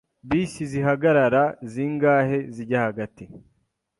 Bisi zihagarara zingahe zijya hagati